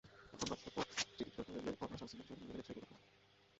তখন ব্যবস্থাপক চিৎকার করলে পলাশ, আসিফ এসে শরীরের বিভিন্ন জায়গায় ছুরিকাঘাত করেন।